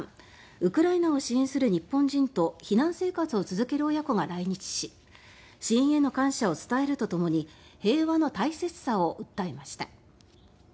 ウクライナを支援する日本人と避難生活を続ける親子が来日し支援への感謝を伝えるとともに平和の大切さを訴えました。